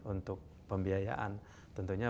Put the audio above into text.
untuk pembiayaan tentunya